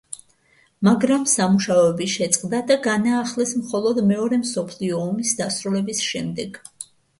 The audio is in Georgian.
მაგრამ, სამუშაოები შეწყდა და განაახლეს მხოლოდ მეორე მსოფლიო ომის დასრულების შემდეგ.